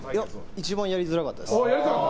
一番やりづらかったです。